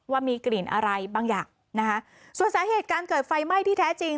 ว่ามีกลิ่นอะไรบางอย่างนะคะส่วนสาเหตุการเกิดไฟไหม้ที่แท้จริง